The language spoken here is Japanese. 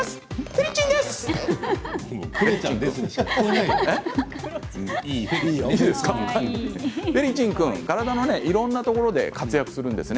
フェリチン君体のいろんなところで活躍するんです。